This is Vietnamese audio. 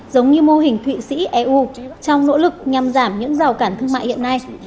giống như mô hình thụy sĩ eu trong nỗ lực nhằm giảm những rào cản thương mại hiện nay